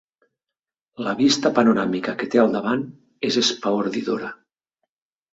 La vista panoràmica que té al davant és espaordidora.